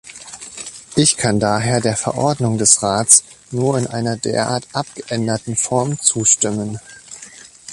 Ich kann daher der Verordnung des Rats nur in einer derart abgeänderten Form zustimmen.